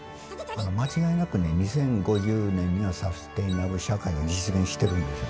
間違いなくね２０５０年にはサステナブル社会が実現してるんですよ。